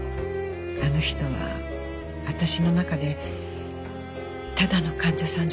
あの人は私の中でただの患者さんじゃなくなってた。